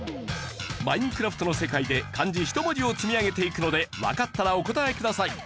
『Ｍｉｎｅｃｒａｆｔ』の世界で漢字１文字を積み上げていくのでわかったらお答えください。